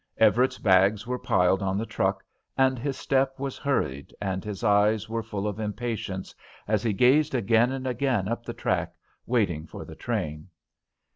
Everett's bags were piled on the truck, and his step was hurried and his eyes were full of impatience, as he gazed again and again up the track, watching for the train.